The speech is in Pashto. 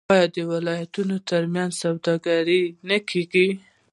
آیا د ولایتونو ترمنځ سوداګري نه کیږي؟